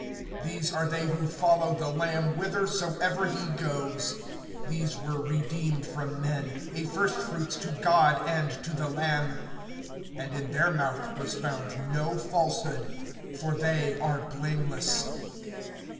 These are they who follow the Lamb, whithersoever he goes. These were redeemed from men, a first fruits to God and to the Lamb. (5)And in their mouth was found no falsehood; for they are blameless.